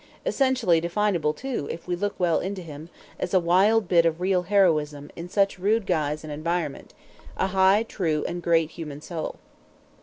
Essentially definable, too, if we look well into him, as a wild bit of real heroism, in such rude guise and environment; a high, true, and great human soul.